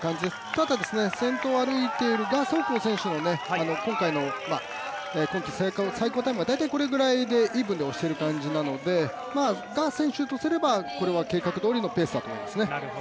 ただ、先頭を歩いている賀相紅選手も今季最高タイムがこれぐらい、イーブンでおしているぐらいなので賀選手とすれば、計画どおりのペースだと思いますね。